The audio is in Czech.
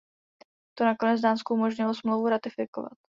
To nakonec Dánsku umožnilo Smlouvu ratifikovat.